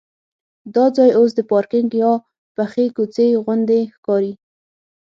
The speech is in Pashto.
دا ځای اوس د پارکینک یا پخې کوڅې غوندې ښکاري.